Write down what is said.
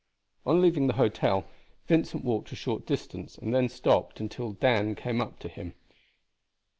On leaving the hotel Vincent walked a short distance, and then stopped until Dan came up to him.